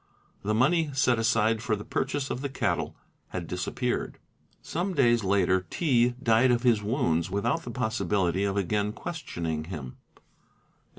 The "money set aside for the purchase of the cattle had disappeared. Some days later T'. died of his wounds without the possibility of again questioning him.